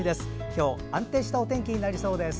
今日、安定したお天気になりそうです。